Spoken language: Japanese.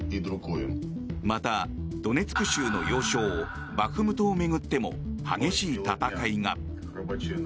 またドネツク州の要衝バフムトを巡っても激しい戦いが。